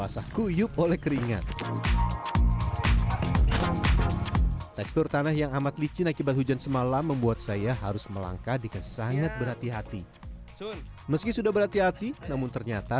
setelah betul betul tercampur merata